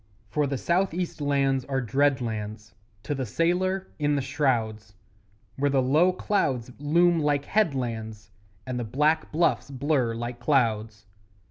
For the South east lands are dread lands To the sailor in the shrouds, Where the low clouds loom like headlands, And the black bluffs blur like clouds.